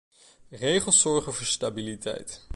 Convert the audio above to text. Regels zorgen voor stabiliteit.